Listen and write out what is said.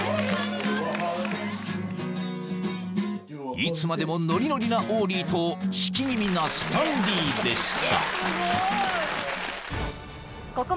［いつまでもノリノリなオーリーと引き気味なスタンリーでした］